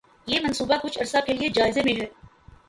یہ منصوبہ کچھ عرصہ کے لیے جائزے میں ہے